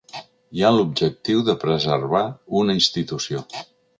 Hi ha l’objectiu de preservar una institució.